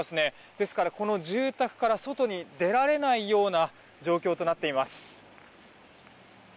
ですから、この住宅から外に出られない状況となっています。